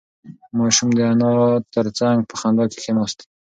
ماشوم د انا تر څنگ په خندا کې کېناست.